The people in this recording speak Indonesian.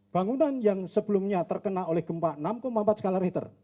bangunan yang sebelumnya terkena oleh gempa enam empat skala richter